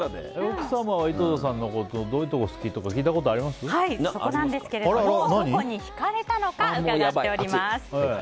奥様は井戸田さんのどういうとこが好きとかそこなんですけれどもどこに引かれたのか伺っております。